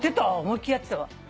思いっ切りやってたわ。